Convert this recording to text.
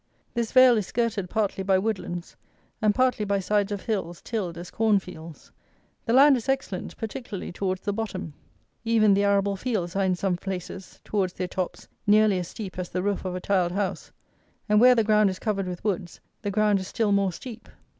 This vale is skirted partly by woodlands and partly by sides of hills tilled as corn fields. The land is excellent, particularly towards the bottom. Even the arable fields are in some places, towards their tops, nearly as steep as the roof of a tiled house; and where the ground is covered with woods the ground is still more steep.